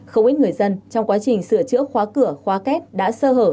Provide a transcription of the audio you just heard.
không ít người dân trong quá trình sửa chữa khóa cửa khóa két đã sơ hở